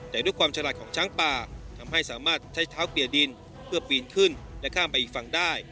แต่ด้วยความฉลาดของช้างป่าทำให้สามารถใช้เท้าเปียดินเพื่อปีนขึ้นและข้ามไปอีกฝั่งได้